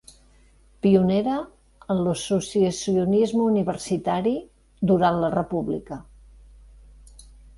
Pionera en l'associacionisme universitari durant la república.